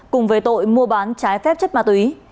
cùng về tội mua bán trái phép chất ma túy